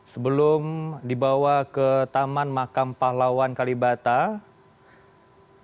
sebelum dibawa ke taman makam pahlawan kalibata